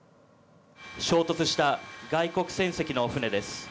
衝突した外国船籍の船です。